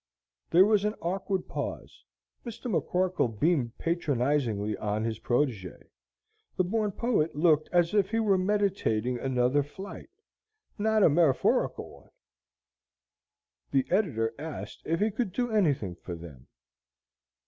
There was an awkward pause. Mr. McCorkle beamed patronizingly on his protege. The born poet looked as if he were meditating another flight, not a metaphorical one. The editor asked if he could do anything for them.